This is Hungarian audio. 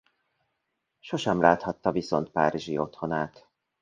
Sohasem láthatta viszont párizsi otthonát.